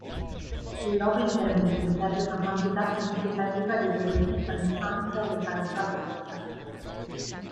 Il lobo intermedio perde una quantità significativa di volume tra l'infanzia e l'età adulta.